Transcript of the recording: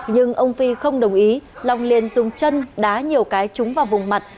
nhưng ông phi không đồng ý long liên dung chân đá nhiều cái trúng vào vùng mặt